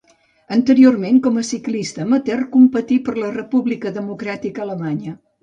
Anteriorment, com a ciclista amateur, competí per la República Democràtica Alemanya.